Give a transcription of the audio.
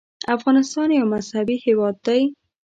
افغانستان یو مذهبي هېواد دی.